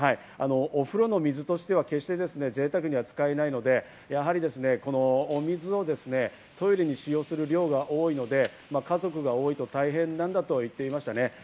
お風呂の水としては決して贅沢には使えないので、やはりお水をトイレに使用する量が多いので、家族が多いと大変なんだと言っていましたね。